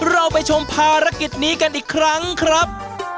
เราไปชมภารกิจนี้กันอีกครั้งครับ